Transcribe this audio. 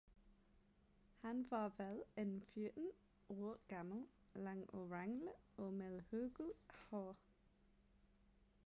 Han var vel en fjorten år gammel, lang og ranglet og med hørgult hår.